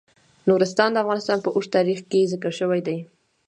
نورستان د افغانستان په اوږده تاریخ کې ذکر شوی دی.